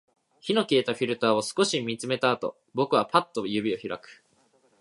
火の消えたフィルターを少し見つめたあと、僕はパッと指を開く